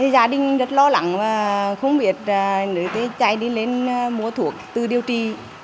gia đình rất lo lắng và không biết nuôi tai xanh đi mua thuốc tự điều trị